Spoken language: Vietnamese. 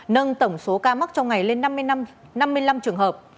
nâng tổng số ca mắc trong ngày lên năm mươi năm trường hợp